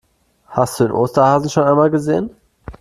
Hast du den Osterhasen schon einmal gesehen?